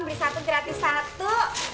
beli satu gratis satu